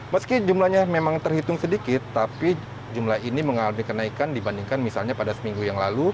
meski jumlahnya memang terhitung sedikit tapi jumlah ini mengalami kenaikan dibandingkan misalnya pada seminggu yang lalu